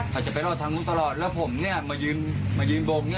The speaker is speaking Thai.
ขอจะไปรอดทางนู้นตลอดแล้วผมมายืนบก